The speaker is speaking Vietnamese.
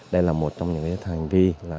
đây là một trong những hành vi